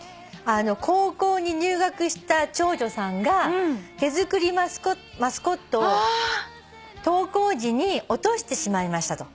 高校に入学した長女さんが手作りマスコットを登校時に落としてしまいましたと。